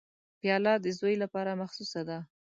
پیاله د زوی لپاره مخصوصه ده.